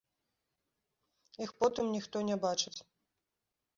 Іх потым ніхто не бачыць.